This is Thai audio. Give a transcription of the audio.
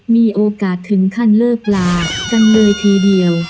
มีโอกาสถึงขั้นเลิกลากันเลยทีเดียว